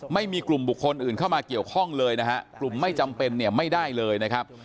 ไม่มีกลุ่มบุคคลอื่นเข้ามาเกี่ยวข้องเลยนะฮะกลุ่มไม่จำเป็นเนี่ยไม่ได้เลยนะครับ